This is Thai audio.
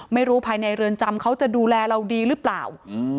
ภายในเรือนจำเขาจะดูแลเราดีหรือเปล่า